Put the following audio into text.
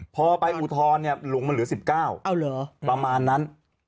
พอไปอุทธรณ์ลงมันเหลือ๑๙ประมาณนั้น